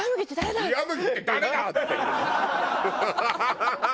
ハハハハ！